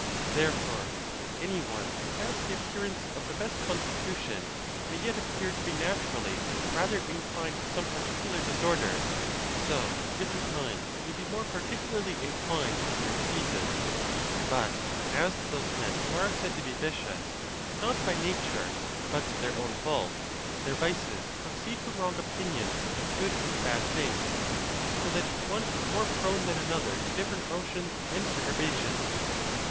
Therefore, as any one who has the appearance of the best constitution may yet appear to be naturally rather in clined to some particular disorder, so different minds may be more particularly inclined to different diseases, But as to those men who are said to be vicious, not by nature, but their own fault, their vices proceed from wrong opin ions of good and bad things, so that one is more prone than another to different motions and perturbations.